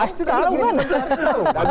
pasti tahu kan